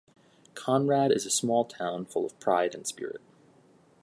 Conrad is a small town full of pride and spirit.